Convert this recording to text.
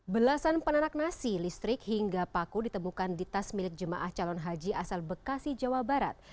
belasan penarak nasi listrik hingga paku ditemukan di tas milik jemaah calon haji asal bekasi jawa barat